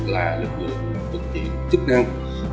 là lực lượng thực hiện chức năng